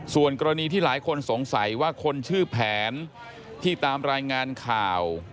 ส่วนกรณีที่หลายคนสงสัยว่าคนชื่อแผนที่ตามรายงานข่าว